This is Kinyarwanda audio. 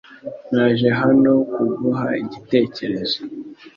Naje hano kuguha igitekerezo .